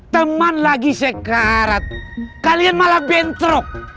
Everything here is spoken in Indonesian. teman lagi sekarat kalian malah bentrok